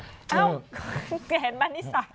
เอ้าแกเห็นบรรณิสัย